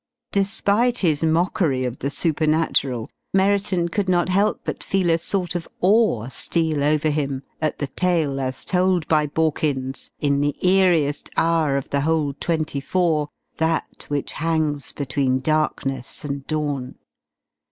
Despite his mockery of the supernatural, Merriton could not help but feel a sort of awe steal over him, at the tale as told by Borkins in the eeriest hour of the whole twenty four that which hangs between darkness and dawn.